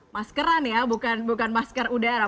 maskeran ya bukan masker udara